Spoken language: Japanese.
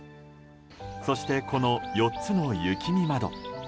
そして、この４つの雪見窓。